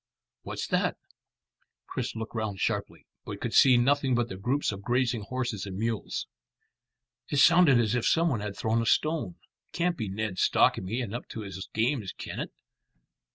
What's that?" Chris looked round sharply, but could see nothing but the groups of grazing horses and mules. "It sounded as if some one had thrown a stone. Can't be Ned stalking me and up to his games, can it?